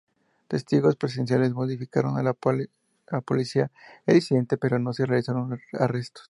Testigos presenciales notificaron a la policía el incidente, pero no se realizaron arrestos.